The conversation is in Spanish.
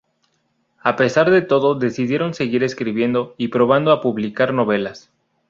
A pesar de todo decidieron seguir escribiendo y probaron a publicar novelas.